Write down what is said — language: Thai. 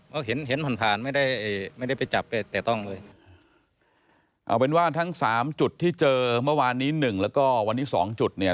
ก็เห็นเห็นผ่านผ่านไม่ได้ไม่ได้ไปจับไปแต่ต้องเลยเอาเป็นว่าทั้งสามจุดที่เจอเมื่อวานนี้หนึ่งแล้วก็วันนี้สองจุดเนี่ย